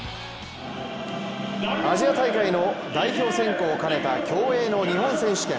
アジア大会の代表選考を兼ねた競泳の日本選手権。